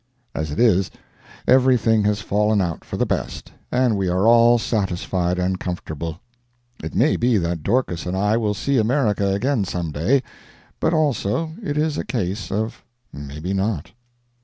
As it is, everything has fallen out for the best, and we are all satisfied and comfortable. It may be that Dorcas and I will see America again some day; but also it is a case of maybe not.